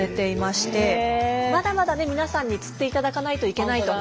まだまだね皆さんに釣っていただかないといけないと。